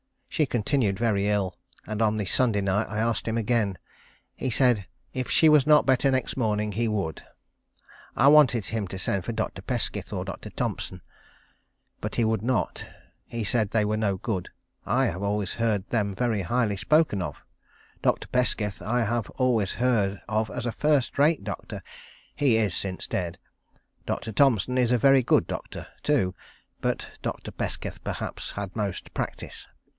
She continued very ill, and on the Sunday night I asked him again. He said if she was not better next morning, he would. I wanted him to send for Dr. Pesketh or Dr. Thompson, but he would not. He said they were no good. I have always heard them very highly spoken of. Dr. Pesketh I have always heard of as a first rate doctor. He is since dead. Dr. Thompson is a very good doctor, too; but Dr. Pesketh, perhaps, had most practice.